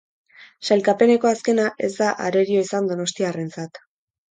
Sailkapeneko azkena ez da arerio izan donostiarrentzat.